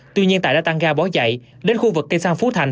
tuy nhiên tại đà tăng ga bó dậy đến khu vực cây xăng phú thành